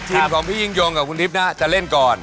ของพี่ยิ่งยงกับคุณทิพย์น่าจะเล่นก่อน